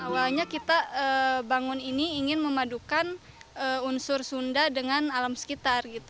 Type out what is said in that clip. awalnya kita bangun ini ingin memadukan unsur sunda dengan alam sekitar